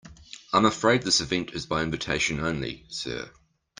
I'm afraid this event is by invitation only, sir.